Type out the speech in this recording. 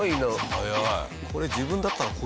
早い！